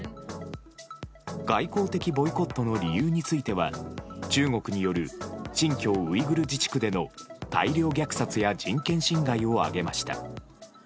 外交的ボイコットの理由については中国による新疆ウイグル自治区での大量虐殺や人権侵害を挙げました。